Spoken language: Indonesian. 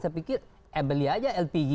saya pikir beli aja lpg